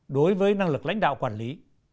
đối với năng lực lãnh đạo quản lý